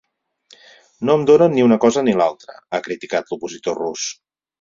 No em donen ni una cosa ni l’altra, ha criticat l’opositor rus.